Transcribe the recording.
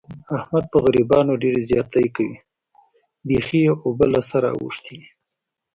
احمد په غریبانو ډېر زیاتی کوي. بیخي یې اوبه له سره اوښتې دي.